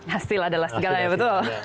hasil adalah segalanya betul